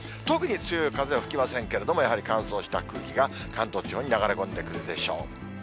特に強い風は吹きませんけれども、やはり乾燥した空気が関東地方に流れ込んでくるでしょう。